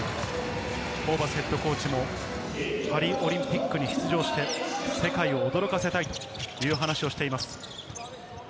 ホーバスＨＣもパリオリンピックに出場して、世界を驚かせたいという話をしています。